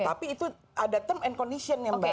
tapi itu ada term and condition ya mbak